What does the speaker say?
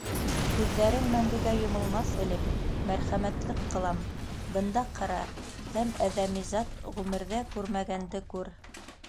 — Күҙҙәрең мәңгегә йомолмаҫ элек мәрхәмәтлек ҡылам: бында ҡара һәм әҙәми зат ғүмерҙә күрмәгәнде күр.